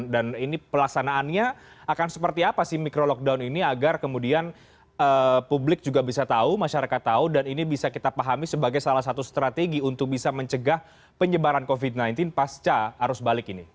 ini pelaksanaannya akan seperti apa sih micro lockdown ini agar kemudian publik juga bisa tahu masyarakat tahu dan ini bisa kita pahami sebagai salah satu strategi untuk bisa mencegah penyebaran covid sembilan belas pasca arus balik ini